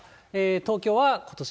東京はことし